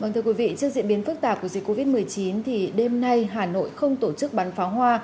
trước diễn biến phức tạp của dịch covid một mươi chín đêm nay hà nội không tổ chức bán pháo hoa